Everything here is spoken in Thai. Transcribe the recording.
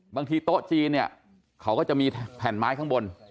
บางทีโต๊ะจีนเนี่ยเขาก็จะมีแผ่นไม้ข้างบน